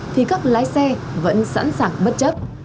thì các lái xe vẫn sẵn sàng bất chấp